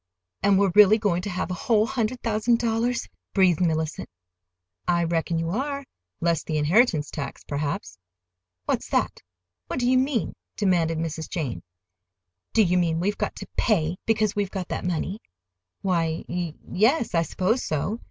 "And we're really going to have a whole hundred thousand dollars?" breathed Mellicent. "I reckon you are—less the inheritance tax, perhaps." "What's that? What do you mean?" demanded Mrs. Jane. "Do you mean we've got to pay because we've got that money?" "Why, y yes, I suppose so.